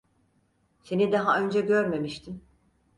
Seni daha önce görmemiştim.